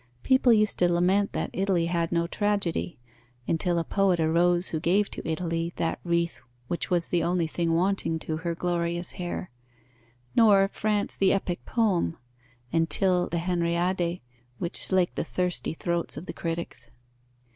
people used to lament that Italy had no tragedy (until a poet arose who gave to Italy that wreath which was the only thing wanting to her glorious hair), nor France the epic poem (until the Henriade, which slaked the thirsty throats of the critics).